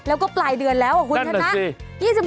แล้วก็ปลายเดือนแล้วคุณชนะนั่นแหละสิ